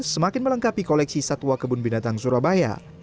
semakin melengkapi koleksi satwa kebun binatang surabaya